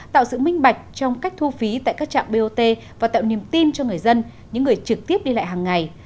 tạo sự minh bạch trong cách thu phí tại các trạm bot và tạo niềm tin cho người dân những người trực tiếp đi lại hàng ngày